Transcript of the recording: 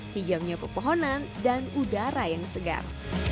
hijamnya pepohonan dan udara yang segar